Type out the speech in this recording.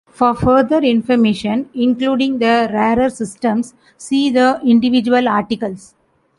For further information, including the rarer systems, see the individual articles.